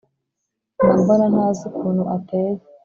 mba mbona ntazi ukuntu ateye